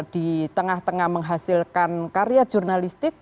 di tengah tengah menghasilkan karya jurnalistik